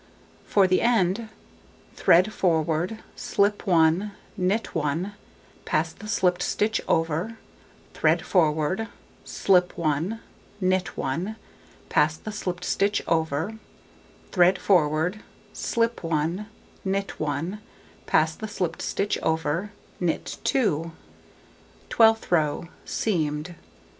For the end: thread forward, slip 1, knit 1, pass the slipped stitch over, thread forward, slip 1, knit 1, pass the slipped stitch over, thread forward, slip 1, knit 1, pass the slipped stitch over, knit 2. Twelfth row: Seamed.